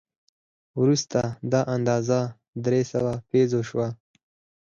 وروسته دا اندازه درې سوه پیزو شوه.